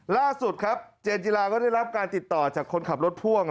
ล่าสุดครับเจนจิลาก็ได้รับการติดต่อจากคนขับรถพ่วง